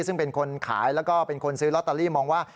ซึ่งเป็นคนขายแล้วก็เป็นคนซื้อลอตเตอรี่มองว่า